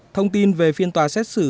thông tin về phiên tòa xét xử